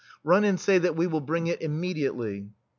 Run and say that we will bring it immediately.